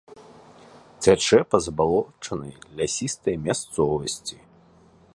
Цячэ па забалочанай лясістай мясцовасці.